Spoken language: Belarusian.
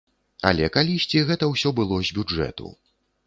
Але калісьці гэта ўсё было з бюджэту!